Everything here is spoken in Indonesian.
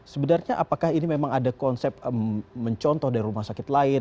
sebenarnya apakah ini memang ada konsep mencontoh dari rumah sakit lain